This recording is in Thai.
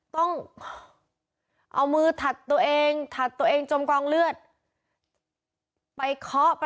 กูตายแล้ว